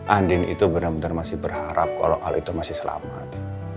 andin itu bener bener masih berharap kalo al itu masih selamat